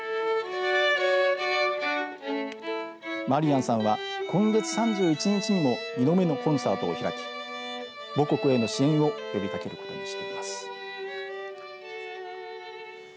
マリアンさんは今月３１日にも２度目のコンサートを開き母国への支援を呼びかけることにしています。